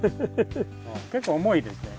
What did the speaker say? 結構重いですね。